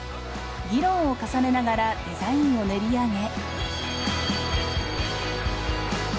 議論を重ねながらデザインを練り上げ。